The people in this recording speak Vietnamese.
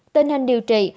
tình hình điều trị